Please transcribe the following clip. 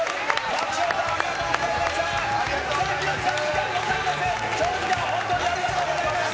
爆笑さん、ありがとうございました。